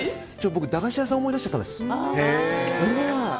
僕、駄菓子屋さん思い出しちゃったんです。